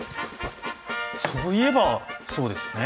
そういえばそうですよね。